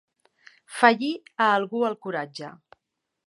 Fallir a algú el coratge.